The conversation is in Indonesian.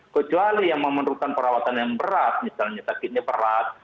kecuali yang memerlukan perawatan yang berat misalnya sakitnya berat